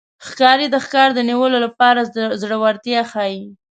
ښکاري د ښکار د نیولو لپاره زړورتیا ښيي.